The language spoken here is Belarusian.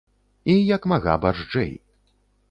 І як мага барзджэй.